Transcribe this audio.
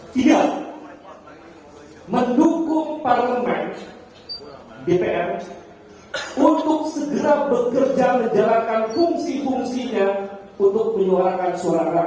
tidak mendukung parlemen dpr untuk segera bekerja menjalankan fungsi fungsinya untuk menyuarakan suara rakyat